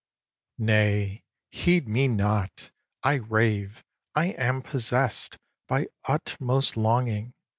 xix. Nay, heed me not! I rave; I am possess'd By utmost longing.